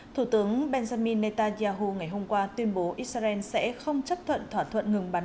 thủ tướng benjamin netanyahu ngày hôm qua tuyên bố israel sẽ không chấp thuận thỏa thuận ngừng bắn